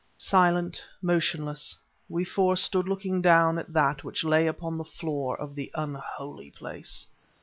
Silent, motionless, we four stood looking down at that which lay upon the floor of the unholy place.